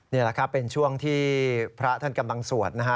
นี่แหละครับเป็นช่วงที่พระท่านกำลังสวดนะฮะ